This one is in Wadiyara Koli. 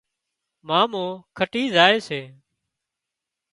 مامو کٽِي زائي سي